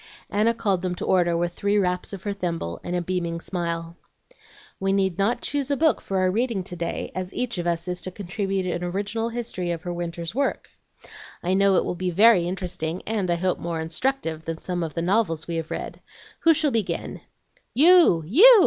Anna called them to order with three raps of her thimble and a beaming smile. "We need not choose a book for our reading to day, as each of us is to contribute an original history of her winter's work. I know it will be very interesting, and I hope more instructive, than some of the novels we have read. Who shall begin?" "You! you!"